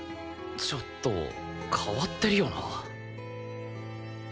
ちょっと変わってるよな。